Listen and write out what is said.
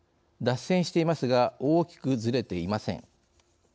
脱線していますが大きくずれていません。